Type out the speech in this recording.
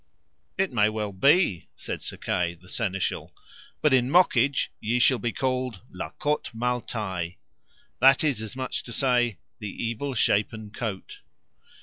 It may well be, said Sir Kay, the Seneschal, but in mockage ye shall be called La Cote Male Taile, that is as much to say, the evil shapen coat.